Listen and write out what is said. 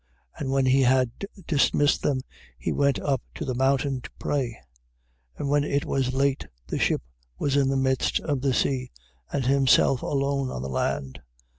6:46. And when he had dismissed them, he went up to the mountain to pray, 6:47. And when it was late, the ship was in the midst of the sea, and himself alone on the land.